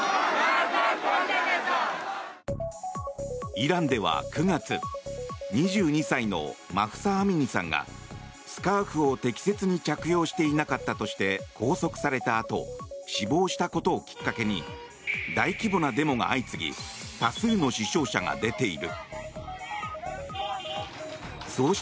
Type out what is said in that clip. イランでは９月２２歳のマフサ・アミニさんがスカーフを適切に着用していなかったとして拘束されたあと死亡したことをきっかけに大規模なデモが相次ぎ多数の死傷者が出ている。